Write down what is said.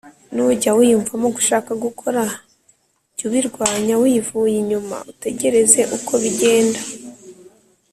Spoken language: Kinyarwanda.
Nujya wiyumvamo gushaka gukora, jya ubirwanya wivuye inyuma utegereze uko bigenda